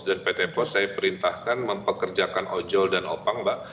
dan pt pos saya perintahkan mempekerjakan ojol dan opang mbak